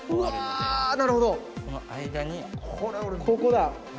ここだ！